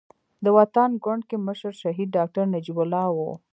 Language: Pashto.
د وطن ګوند کې مشر شهيد ډاکټر نجيب الله وو.